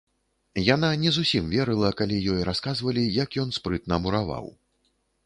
Яна не зусім верыла, калі ёй расказвалі, як ён спрытна мураваў.